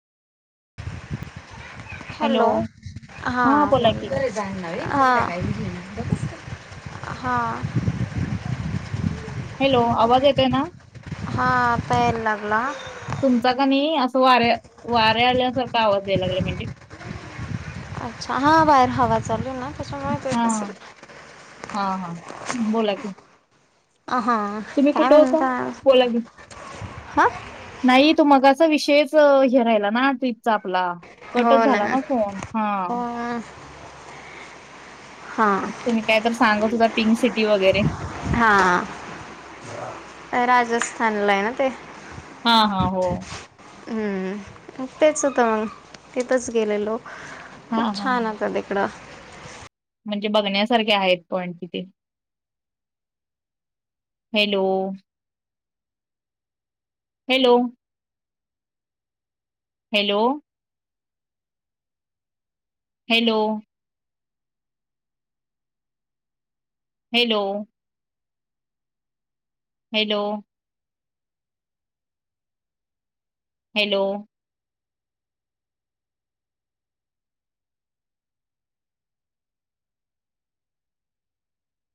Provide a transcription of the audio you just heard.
Hello. हा बोला. ह. हा. हॅलो आवाज येतोय ना? हा आता यायला लागला. तुमचा कनी असं वाऱ्या वाऱ्या आल्यासारखा आवाज यायला लागला. म्हणजे अच्छा, हां बाहेर हवा चालूयना. त्याच्यामुळे तो हा येत असेल. हा हा. बोला की. अ हा. तुम्ही काय कुठे होता म्हणता? बोला की हा. नाही तो मगाचा विषयच हे राहिला ना, तच आपला. कटच झाला ना फोन. ह. हो हां तुम्ही काय तर सांगत होता. पिंक सिटी वगैरे. हा राजस्थानलाय ना ते. हा हा हो. हम्म. म तेच होत मग तिथच गेलेलो. हा खूप हा छान होत तिकडं. म्हणजे बघण्यासारखे आहेत पण तिथे. Hello. Hello. Hello. Hello. Hello. Hello. Hello.